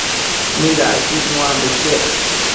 midacquid nuambo iquec?